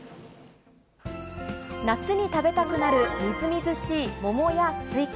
夏に食べたくなる、みずみずしい桃やスイカ。